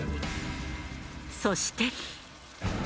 そして。